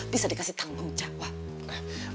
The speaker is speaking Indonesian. bisa dikasih tanggung jawab